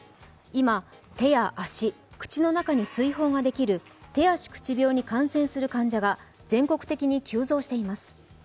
今、手や足、口の中に水ほうができる手足口病に感染する患者が全国的に急増しています。